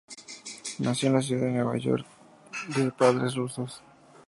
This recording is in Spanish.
Nació en la ciudad de Nueva York, de padres rusos.